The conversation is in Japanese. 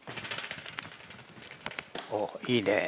おっいいねえ。